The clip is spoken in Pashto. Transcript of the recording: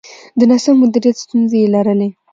د ناسم مدیریت ستونزې یې لرلې.